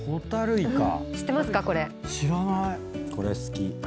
これ好き。